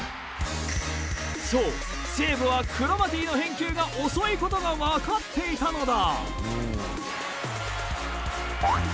そう西武はクロマティの返球が遅いことがわかっていたのだ。